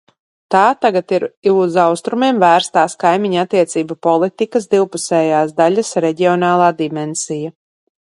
Tā tagad ir uz Austrumiem vērstās kaimiņattiecību politikas divpusējās daļas reģionālā dimensija.